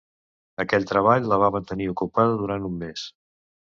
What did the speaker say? Aquell treball la va mantenir ocupada durant un mes.